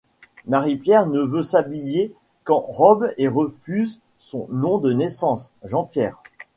Marie-Pierre ne veut s'habiller qu'en robe et refuse son nom de naissance, Jean-Pierre.